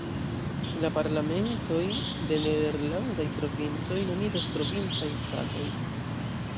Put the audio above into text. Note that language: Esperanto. La parlamentoj de nederlandaj provincoj nomiĝas "Provincaj Statoj".